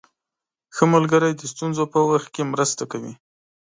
ښه ملګری د ستونزو په وخت کې مرسته کوي.